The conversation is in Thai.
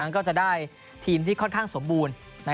ก็จะได้ทีมที่ค่อนข้างสมบูรณ์